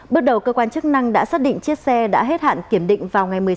bước đầu cơ quan chức năng đã xác định chiếc xe đã hết hạn kiểm định vào ngày một mươi sáu tháng tám